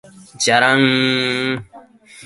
じゃらんーーーーー